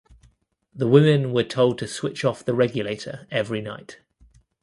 The women were told to switch off the regulator every night.